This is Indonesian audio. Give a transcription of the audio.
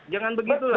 jangan begitu lah